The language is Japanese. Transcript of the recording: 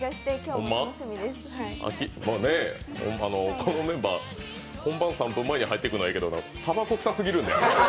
このメンバー、本番３分前に入ってくるのはええねんけど、たばこ臭すぎるんだよな。